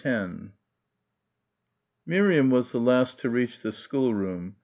10 Miriam was the last to reach the schoolroom.